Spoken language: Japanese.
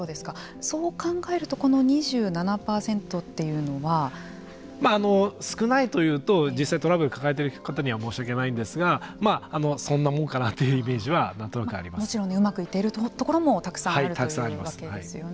そう考えるとこの２７％というのは少ないというと実際トラブルを抱えている方には申し訳ないんですがそんなもんかなというイメージはもちろんうまくいっているところもたくさんあるというわけですよね。